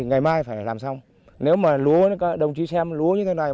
ngày mai phải làm xong nếu mà lúa các đồng chí xem lúa như thế này